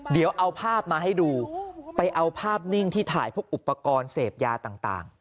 เดี๋ยวเอาภาพมาให้ดูไปเอาภาพนิ่งที่ถ่ายพวกอุปกรณ์เสพยาต่าง